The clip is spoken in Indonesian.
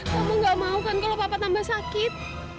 kamu gak mau kan kalau papa tambah sakit